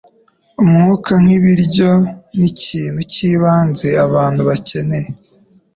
Umwuka, nkibiryo, nikintu cyibanze abantu bakeneye.